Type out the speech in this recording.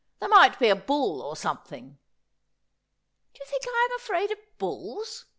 There might be a bull, or something.' ' Do you think I am afraid of bulls ?